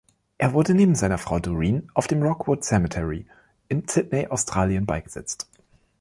Er wurde neben seiner Frau Doreen auf dem Rookwood Cemetery in Sydney, Australien, beigesetzt.